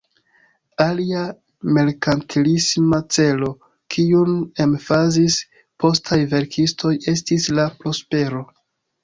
Alia merkantilisma celo, kiun emfazis postaj verkistoj, estis la prospero.